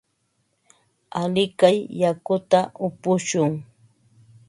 Alikay yakuta upushun.